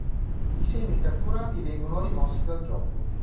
I semi catturati vengono rimossi dal gioco.